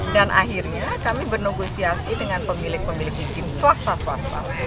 dan akhirnya kami bernegosiasi dengan pemilik pemilik izin swasta swasta